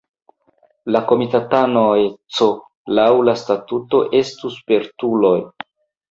La komitatanoj C laŭ la statuto estu "spertuloj".